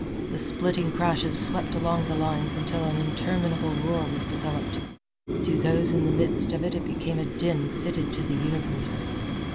The splitting crashes swept along the lines until an interminable roar was developed. To those in the midst of it it became a din fitted to the universe.